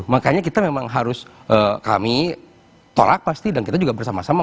makanya kita memang harus kami tolak pasti dan kita juga bersama sama